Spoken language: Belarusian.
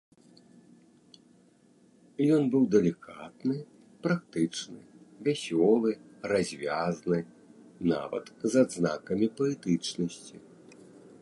Ён быў далікатны, практычны, вясёлы, развязны, нават з адзнакамі паэтычнасці.